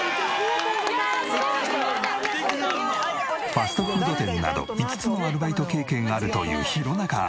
ファストフード店など５つのアルバイト経験があるという弘中アナ。